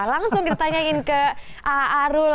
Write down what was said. langsung kita tanyain ke arul